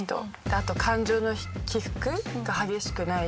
あと感情の起伏が激しくない人。